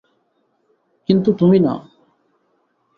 কিন্তু তুমি না।